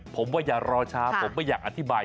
ผมว่าอย่ารอช้าผมไม่อยากอธิบาย